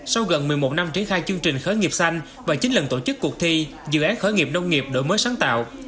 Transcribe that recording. sau gần một mươi một năm triển khai chương trình khởi nghiệp xanh và chín lần tổ chức cuộc thi dự án khởi nghiệp nông nghiệp đổi mới sáng tạo